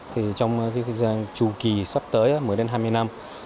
trong thời gian trù kỳ sắp tới một mươi đến hai mươi năm